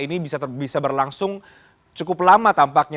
ini bisa berlangsung cukup lama tampaknya